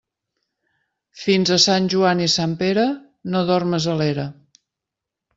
Fins a Sant Joan i Sant Pere, no dormes a l'era.